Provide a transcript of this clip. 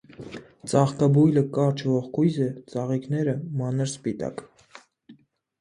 Ծաղկաբույլը կարճ ողկույզ է, ծաղիկները՝ մանր, սպիտակ։